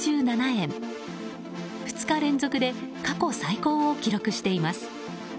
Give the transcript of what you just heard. ２日連続で過去最高を記録しています。